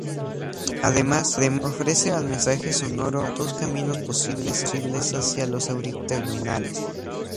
Además, ofrece al mensaje sonoro dos caminos posibles hacia los auriculares terminales.